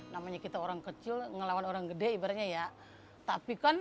namanya kita orang kecil ngelawan orang gede ibaratnya ya